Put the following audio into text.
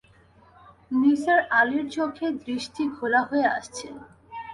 নিসার আলির চোখের দৃষ্টি ঘোলা হয়ে আসছে।